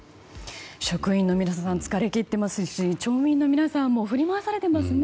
職員の皆さん疲れ切っていますし町民の皆さんも振り回されてますね。